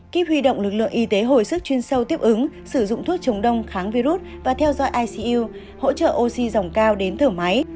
kíp huy động lực lượng y tế hồi sức chuyên sâu tiếp ứng sử dụng thuốc chống đông kháng virus và theo dõi icu hỗ trợ oxy dòng cao đến thở máy